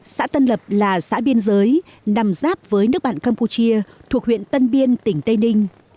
xã tân lập là xã biên giới nằm giáp với nước bạn campuchia thuộc huyện tân biên tỉnh tây ninh